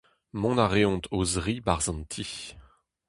Mont a reont o-zri 'barzh an ti.